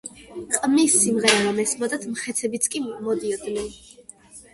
ყმის სიმღერა რომ ესმოდათ, მხეცებიც კი მოდიოდნენ.